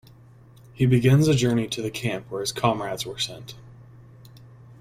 He begins a journey to the camp where his comrades were sent.